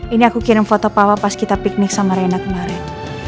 ini aku kirim foto papa pas kita piknik sama reina kemarin